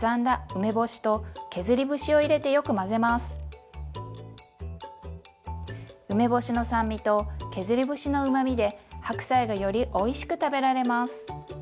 梅干しの酸味と削り節のうまみで白菜がよりおいしく食べられます。